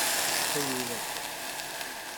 uko yubakwa